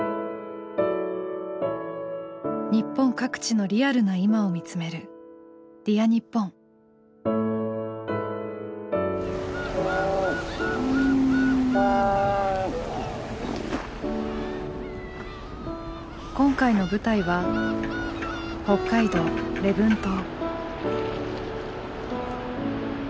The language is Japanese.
日本各地のリアルな今を見つめる今回の舞台は北海道礼文島。